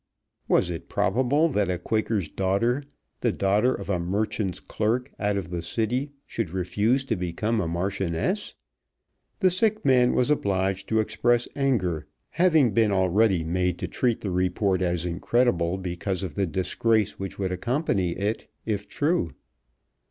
Was it probable that a Quaker's daughter, the daughter of a merchant's clerk out of the City, should refuse to become a Marchioness? The sick man was obliged to express anger, having been already made to treat the report as incredible because of the disgrace which would accompany it, if true.